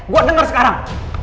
gue denger sekarang